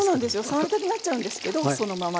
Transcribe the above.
触りたくなっちゃうんですけどそのままに。